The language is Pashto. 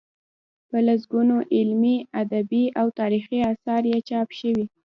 په لسګونو علمي، ادبي او تاریخي اثار یې چاپ شوي.